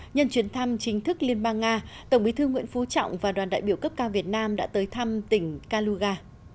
nhân chuyến thăm chính thức liên bang nga tổng bí thư nguyễn phú trọng và đoàn đại biểu cấp cao việt nam đã tới thăm tỉnh kaluga